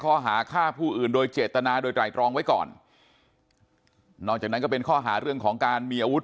ข้อหาฆ่าผู้อื่นโดยเจตนาโดยไตรรองไว้ก่อนนอกจากนั้นก็เป็นข้อหาเรื่องของการมีอาวุธ